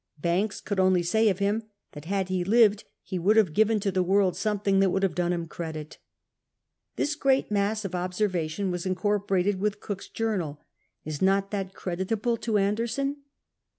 Banks could only say of him that had he lived he would have given to the world something that would have done him credit. This gi'eat mass of observation was incorporated with Cook's journal — is not that creditable to Anderson?